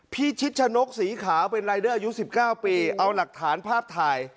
ชิดชะนกสีขาวเป็นรายเดอร์อายุ๑๙ปีเอาหลักฐานภาพถ่าย